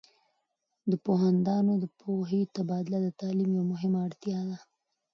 د پوهاندانو د پوهې تبادله د تعلیم یوه مهمه اړتیا ده.